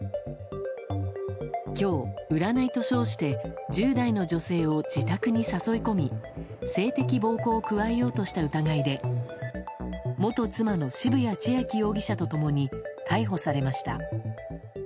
今日、占いと称して１０代の女性を自宅に誘い込み性的暴行を加えようとした疑いで元妻の渋谷千秋容疑者と共に逮捕されました。